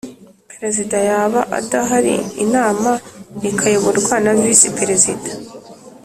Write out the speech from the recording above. Perezida yaba adahari inama ikayoborwa na Visi Perezida